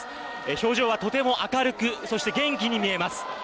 表情は、とても明るくそして元気に見えます。